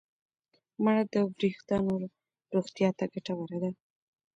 مڼه د وریښتانو روغتیا ته ګټوره ده.